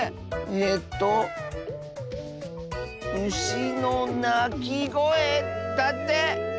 えと「うしのなきごえ」だって！